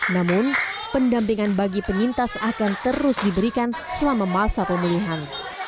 namun pendampingan bagi penyintas akan terus diberikan selama masa pemulihan